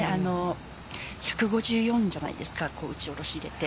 １５４じゃないですか打ち下ろし入れて。